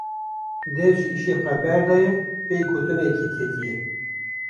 Dev ji îşê xwe berdaye pey gotinekê ketiye.